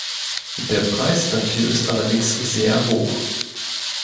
Der Preis dafür ist allerdings sehr hoch.